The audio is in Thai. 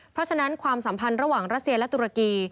เพราะฉะนั้นความสัมพันธ์ระหว่างรัสเซียและตุรกี